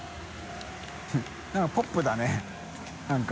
覆鵑ポップだねなんか。